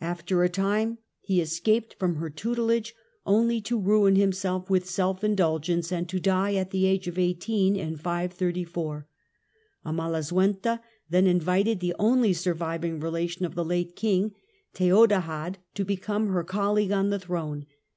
After a time he escaped from her tutelage, only to ruin himself with self indulgence • and to die at the age of eighteen, in 534. Amalasuentha then invited the only surviving relation of the late King, Theodahad, to become her colleague on the throne.